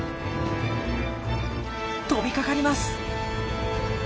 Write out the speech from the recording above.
飛びかかります。